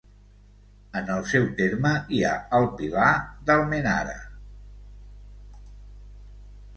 En el seu terme hi ha el Pilar d'Almenara.